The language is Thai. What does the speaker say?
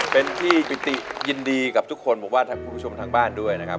เป็นที่ปิติยินดีกับทุกคนผมว่าท่านคุณผู้ชมทางบ้านด้วยนะครับ